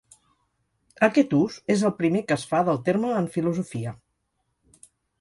Aquest ús és el primer que es fa del terme en filosofia.